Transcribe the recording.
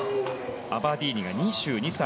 アバディーニ、２２歳。